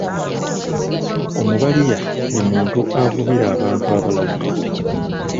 Omubaliya ye muntu avubira abantu abalala.